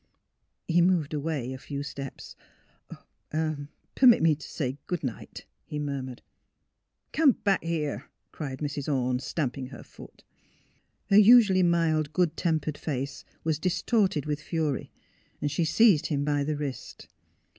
He moved away a few steps. " I — Permit me to say good night," he murmured. " Come back here! " cried Mrs. Orne, stamping her foot. Her usually mild, good tempered face was dis torted with fury. She seized him by the wrist.